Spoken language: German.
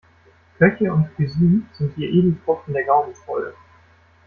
Köche und Cuisine sind die Edeltropfen der Gaumenfreude.